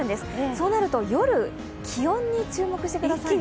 そうなると、夜、気温に注目してください。